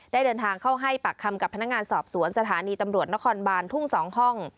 เดินทางเข้าให้ปากคำกับพนักงานสอบสวนสถานีตำรวจนครบานทุ่ง๒ห้อง